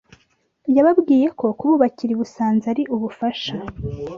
Yababwiye ko kububakira i Busanza ari ubufasha